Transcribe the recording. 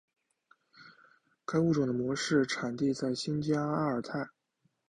该物种的模式产地在新疆阿尔泰。